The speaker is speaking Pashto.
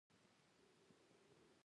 که کامیابي نه وي ډیپلوم هم نشته .